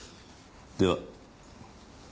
では。